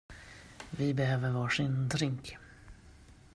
Vi behöver varsin drink!